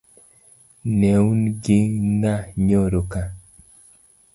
Neun gi ng'a nyoro ka